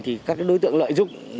thì các đối tượng lợi dụng